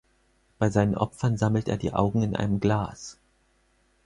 Bei seinen Opfern sammelt er die Augen in einem Glas.